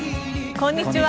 こんにちは。